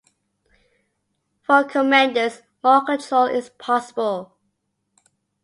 For commanders, more control is possible.